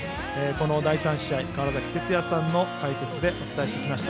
第３試合は川原崎哲也さんの解説でお伝えしました。